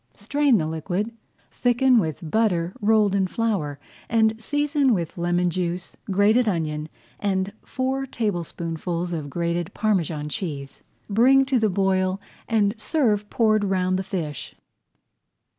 Strain the liquid, thicken with butter rolled in flour, and season with lemon juice, grated onion, and four tablespoonfuls of grated [Page 94] Parmesan cheese. Bring to the boil and serve poured around the fish.